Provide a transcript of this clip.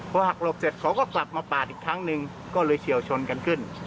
พอหักหลบเสร็จเขาก็กลับมาปาดอีกครั้งหนึ่งก็เลยเฉียวชนกันขึ้น